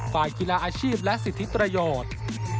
ฝ่ายกีฬาอาชีพและสิทธิประโยชน์